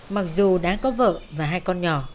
mặc dù đã có vợ và hai con nhỏ